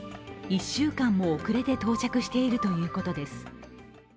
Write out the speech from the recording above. １週間も遅れて到着しているということです。